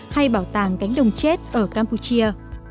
hay bảo tàng cánh đồng chết ở campuchia